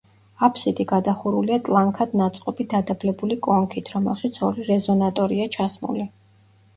აფსიდი გადახურულია ტლანქად ნაწყობი დადაბლებული კონქით, რომელშიც ორი რეზონატორია ჩასმული.